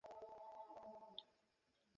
আমরাই আগুনে হাত দিয়াছি বলিয়া হাত পুড়িয়া গিয়াছে।